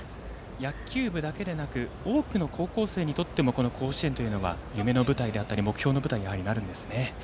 野球部だけでなく多くの高校生にとってもこの甲子園というのは夢の舞台であったり目標の舞台になるんですね。